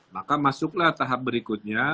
maka masuklah tahap berikutnya